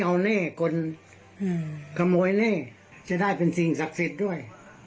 เอาเนี้ยคนอืมขโมยเนี้ยจะได้เป็นสิ่งศักดิ์สิทธิ์ด้วย